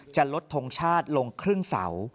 จะลดทงชาติลงครึ่งเสา